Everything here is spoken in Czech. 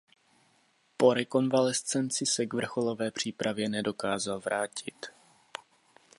Po rekonvalescenci se k vrcholové přípravě nedokázal vrátit.